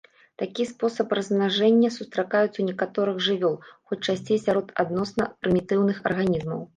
Такі спосаб размнажэння сустракаецца ў некаторых жывёл, хоць часцей сярод адносна прымітыўных арганізмаў.